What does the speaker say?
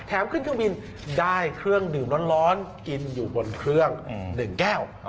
ขึ้นเครื่องบินได้เครื่องดื่มร้อนกินอยู่บนเครื่อง๑แก้ว